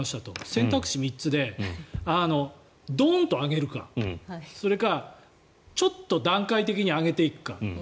選択肢３つでドンと上げるかそれかちょっと段階的に上げていくか